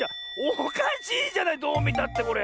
おかしいじゃないどうみたってこれ。